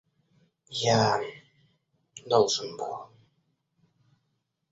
Я должен был...